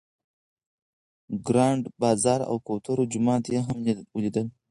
ګرانډ بازار او کوترو جومات یې هم ولیدل.